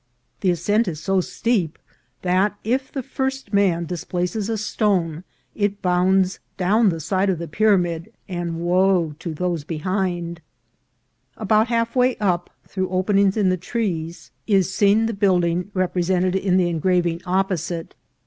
The ascent is so steep, that if the first man displaces a stone it bounds down the side of the pyramid, and wo to those behind. About half way up, through openings in the trees, is seen the VOL. II. — U u 29 338 INCIDENTS OF TRAVEL. building represented in the engraving opposite.